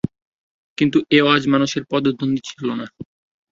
কিন্তু এ আওয়াজ মানুষের পদধ্বনি ছিল না।